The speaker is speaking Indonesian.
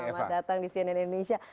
selamat datang di cnn indonesia